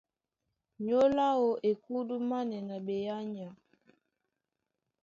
Nyólo áō e kúdúmánɛ́ na ɓeánya.